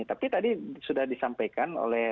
tapi tadi sudah disampaikan oleh